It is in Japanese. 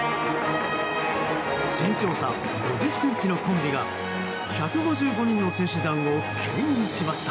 身長差５０ｃｍのコンビが１５５人の選手団を牽引しました。